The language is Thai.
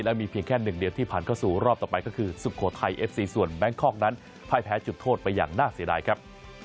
มีเพียงแค่หนึ่งเดียวที่ผ่านเข้าสู่รอบต่อไปก็คือสุโขทัยเอฟซีส่วนแบงคอกนั้นพ่ายแพ้จุดโทษไปอย่างน่าเสียดายครับ